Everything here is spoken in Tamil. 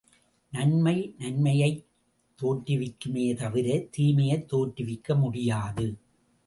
நன்மை நன்மையைத் தோற்றவிக்குமே தவிர தீமையைத் தோற்றுவிக்க முடியாது.